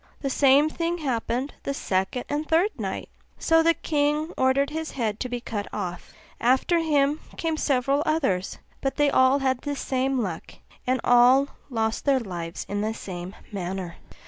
The same thing happened the second and third night: so the king ordered his head to be cut off. After him came several others; but they had all the same luck, and all lost their lives in the same manner.